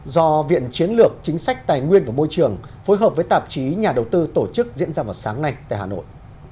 do viện chiến lược chính sách tài nguyên và môi trường phối hợp với tạp chí nhà đầu tư tổ chức diễn ra vào sáng nay tại hà nội